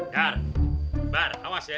dar bar awas ya